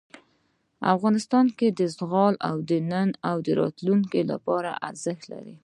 افغانستان کې زغال د نن او راتلونکي لپاره ارزښت لري.